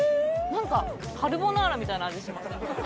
何かカルボナーラみたいな味しません？